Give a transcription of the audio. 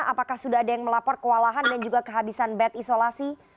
apakah sudah ada yang melapor kewalahan dan juga kehabisan bed isolasi